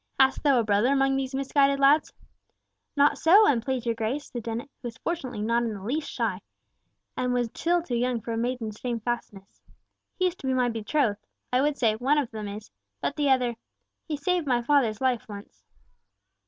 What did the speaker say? Hast thou a brother among these misguided lads?" "Not so, an please your Grace," said Dennet, who fortunately was not in the least shy, and was still too young for a maiden's shamefastness. "He is to be my betrothed. I would say, one of them is, but the other—he saved my father's life once."